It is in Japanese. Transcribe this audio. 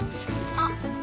あっ。